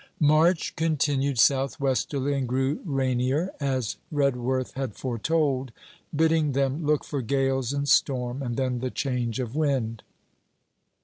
March continued South westerly and grew rainier, as Redworth had foretold, bidding them look for gales and storm, and then the change of wind.